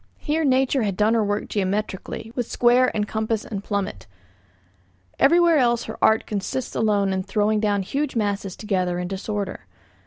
Here nature had done her work geometrically, with square and compass and plummet. Everywhere else her art consists alone in throwing down huge masses together in disorder.